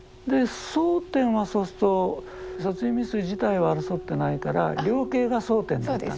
争点はそうすると殺人未遂自体は争ってないから量刑が争点だったんですね。